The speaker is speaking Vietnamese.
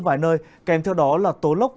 vài nơi kèm theo đó là tố lốc